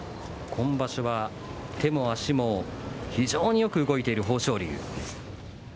今場所は手も足も非常によく動いている豊昇龍。